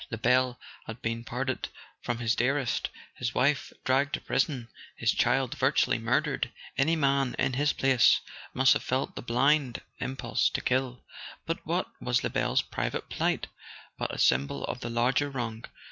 Lebel had been parted from his dearest, his wife dragged to prison, his child virtually murdered: any man, in his place, must have felt the blind impulse to kill. But what was Lebel's private plight but a symbol of the larger wrong